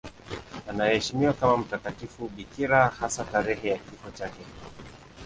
Anaheshimiwa kama mtakatifu bikira, hasa tarehe ya kifo chake.